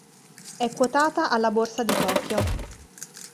È quotata alla Borsa di Tokyo.